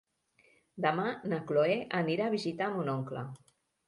Demà na Chloé anirà a visitar mon oncle.